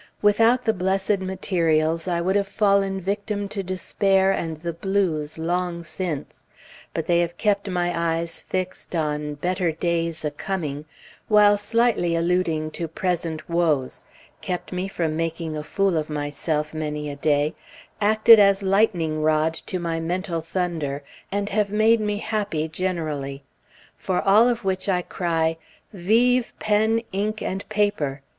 Without the blessed materials, I would have fallen victim to despair and "the Blues" long since; but they have kept my eyes fixed on "Better days a coming" while slightly alluding to present woes; kept me from making a fool of myself many a day; acted as lightning rod to my mental thunder, and have made me happy generally. For all of which I cry, "Vivent pen, ink, and paper!"